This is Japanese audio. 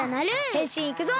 へんしんいくぞ！